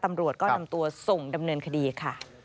ตำรวจก็นำตัวส่งดำเนินคดีค่ะ